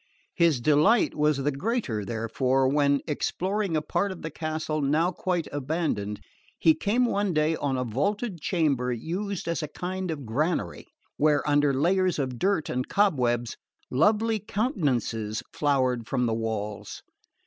His delight was the greater, therefore, when, exploring a part of the castle now quite abandoned, he came one day on a vaulted chamber used as a kind of granary, where, under layers of dirt and cobwebs, lovely countenances flowered from the walls.